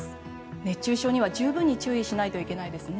熱中症には十分注意しないといけないですね。